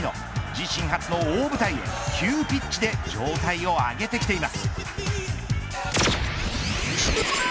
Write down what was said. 自身初の大舞台へ急ピッチで状態を上げてきています